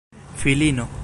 filino